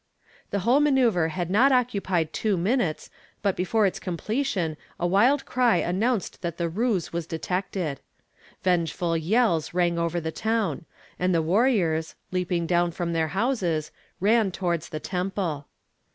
The whole manoeuvre had not occupied two minutes but before its completion a wild cry announced that the ruse was detected. Vengeful yells rang over the town; and the warriors, leaping down from their houses, ran towards the temple.